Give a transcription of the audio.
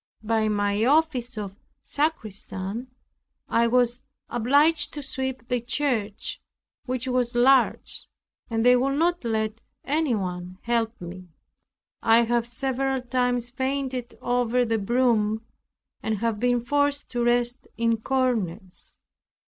By my office of sacristan I was obliged to sweep the church, which was large, and they would not let anyone help me. I have several times fainted over the broom and have been forced to rest in corners.